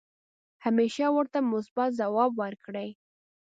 همیشه ورته مثبت ځواب ورکړئ .